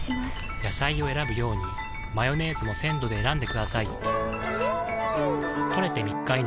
野菜を選ぶようにマヨネーズも鮮度で選んでくださいん！